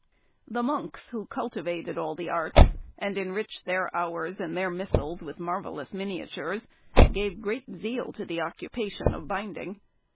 The monks who cultivated all the arts, and enriched their Hours and their Missals with marvellous miniatures, gave great zeal to the occupation of binding.